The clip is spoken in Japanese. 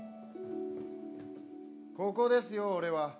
ここですよ俺は。